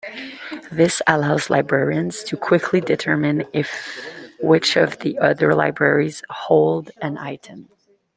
This allows librarians to quickly determine which of the other libraries hold an item.